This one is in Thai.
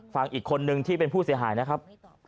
ฟังอีกคนนึงที่เป็นผู้เสียหายนะครับ